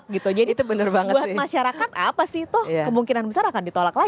gambar yang anda saksikan saat ini adalah